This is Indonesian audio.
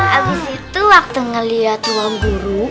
abis itu waktu ngeliat ruang guru